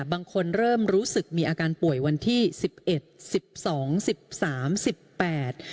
บางคนเริ่มรู้สึกมีอาการป่วยวันที่สิบเอ็ดสิบสองสิบสามสิบแปด